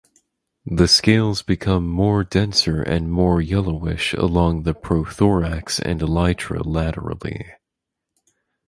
The scales become more denser and more yellowish along the prothorax and elytra laterally.